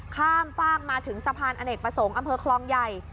ข้ามฝากมาถึงสะพานอเนกประสงค์อำเภอคลองใหญ่